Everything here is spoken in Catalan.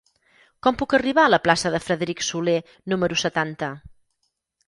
Com puc arribar a la plaça de Frederic Soler número setanta?